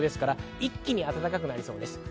一気に暖かくなりそうです。